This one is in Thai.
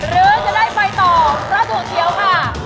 หรือจะได้ไปต่อประตูเขียวค่ะ